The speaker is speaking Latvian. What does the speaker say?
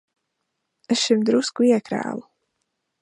Es šim drusku iekrāvu.